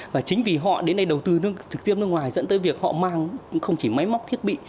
và chính vì họ đến đây đầu tư nước trực tiếp nước ngoài dẫn tới việc họ mang không chỉ máy móc thiết bị